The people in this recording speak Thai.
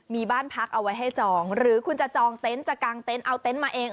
มีบ้านพักเอาไว้ให้จองหรือคุณจะจองเต็นต์จะกางเต็นต์เอาเต็นต์มาเอง